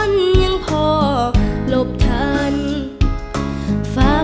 แหล่งคลับเถอะ